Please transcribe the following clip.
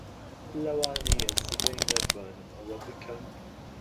لەوانەیە سبەی نەتوانم ئەوە بکەم.